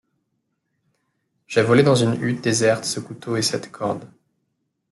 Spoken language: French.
J’ai volé dans une hutte déserte ce couteau et cette corde.